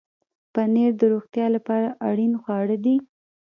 پنېر د روغتیا لپاره اړین خواړه دي.